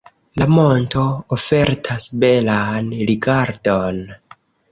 La monto ofertas belan rigardon.